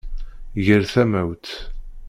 Ger tamawt!